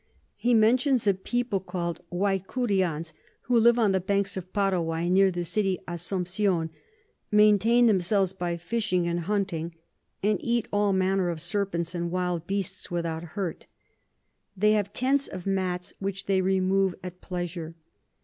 He mentions a People call'd Guaicureans who live on the Banks of Paraguay near the City Assumption, maintain themselves by Fishing and Hunting, and eat all manner of Serpents and wild Beasts without hurt. They have Tents of Mats, which they remove at pleasure.